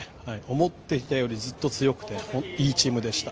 思っていたよりずっと強くていいチームでした。